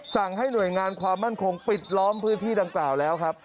สั่งให้หน่วยงานความมั่นคงปิดล้อมพื้นที่ดังกล่าวแล้วครับ